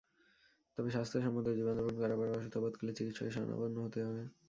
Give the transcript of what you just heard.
তবে স্বাস্থ্যসম্মত জীবনযাপন করার পরও অসুস্থ বোধ করলে চিকিৎসকের শরণাপন্ন হতে হবে।